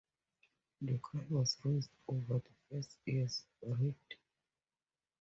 The cry was raised over the first ears reaped.